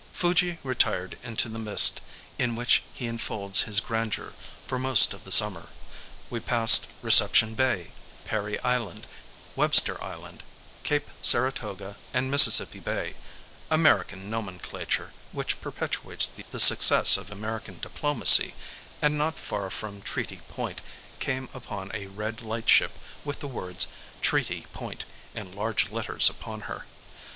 Fuji retired into the mist in which he enfolds his grandeur for most of the summer; we passed Reception Bay, Perry Island, Webster Island, Cape Saratoga, and Mississippi Bay—American nomenclature which perpetuates the successes of American diplomacy—and not far from Treaty Point came upon a red lightship with the words "Treaty Point" in large letters upon her.